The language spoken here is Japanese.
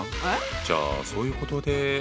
えっ⁉じゃあそういうことで。